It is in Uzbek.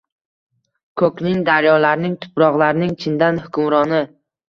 Koʻkning, daryolarning, tuproqlarning chindan hukmroni